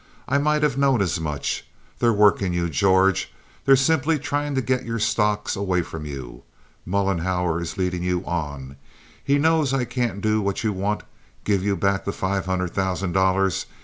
"I might have known as much. They're working you, George. They're simply trying to get your stocks away from you. Mollenhauer is leading you on. He knows I can't do what you want—give you back the five hundred thousand dollars.